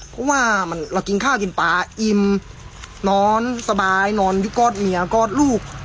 เพราะว่าเรากินข้าวกินปลาอิ่มนอนสบายนอนอยู่กอดเมียกอดลูก